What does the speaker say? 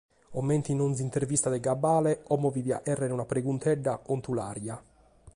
Comente in ònnia intervista de cabale, como bi diat chèrrere una preguntedda contulàrja.